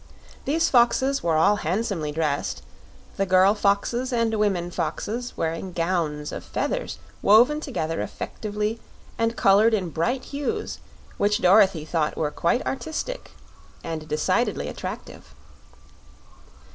These foxes were all handsomely dressed, the girl foxes and women foxes wearing gowns of feathers woven together effectively and colored in bright hues which Dorothy thought were quite artistic and decidedly attractive.